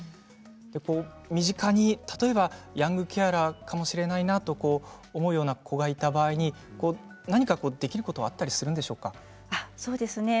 身近にヤングケアラーかもしれないと思うような子がいた場合に何かできることはあったりするんでしょうか。